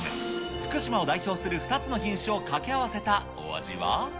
福島を代表する２つの品種を掛け合わせたお味は。